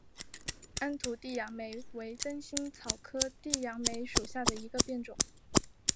安图地杨梅为灯心草科地杨梅属下的一个变种。